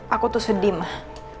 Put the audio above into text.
aku tuh sedih mah